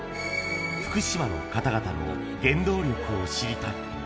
福島の方々の原動力を知りたい。